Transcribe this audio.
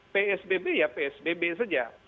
psbb ya psbb saja